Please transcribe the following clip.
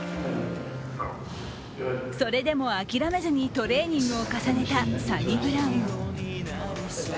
それでも諦めずにトレーニングを重ねたサニブラウン。